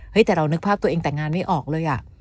แต่เรานึกภาพตัวเองแต่งงานไม่ออกเลยอ่ะ